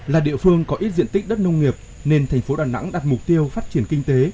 là địa phương có ít diện tích đất nông nghiệp nên thành phố đà nẵng đặt mục tiêu phát triển kinh tế